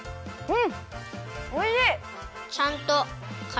うん！